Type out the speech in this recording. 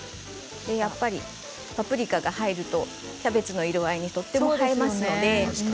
やっぱりパプリカが入るとキャベツの色合いにとっても確かに。